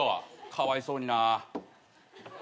かわいそうにな。